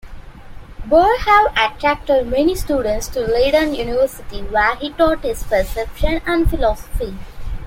Boerhaave attracted many students to Leiden University, where he taught his perception and philosophy.